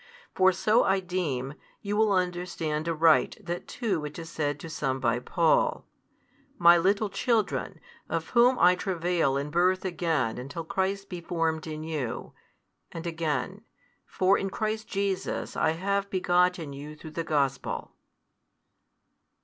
For so I deem, you will understand aright that too which is said to some by Paul, My little children, of whom I travail in birth again until Christ be formed in you, and again, For in Christ Jesus I have begotten you through the Gospel.